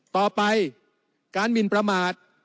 ต่อไปการหมินประมาท